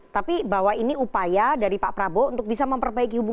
tapi bahwa ini upaya dari pak prabowo untuk menjaga kemampuan kemampuan kemampuan